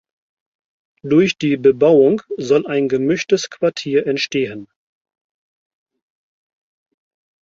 Durch die Bebauung soll ein gemischtes Quartier entstehen.